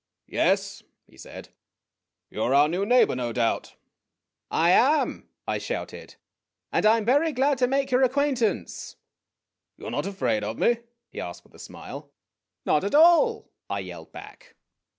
" Yes," he said. " You are our new neighbor, no doubt." "I am," I shouted; "and I 'in very glad to make your ac quaintance." "You 're not afraid of me?" he asked with a smile. " Not at all," I yelled back.